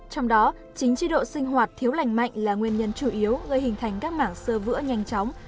trong đó chính chế độ sinh hoạt thiếu lành mạnh là nguyên nhân chủ yếu gây hình thành các mảng sơ vữa nhanh chóng